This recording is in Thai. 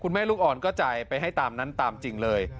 แม่ลูกอ่อนก็จ่ายไปให้ตามนั้นตามจริงเลย